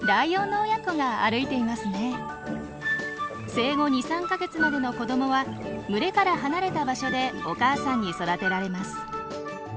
生後２３か月までの子どもは群れから離れた場所でお母さんに育てられます。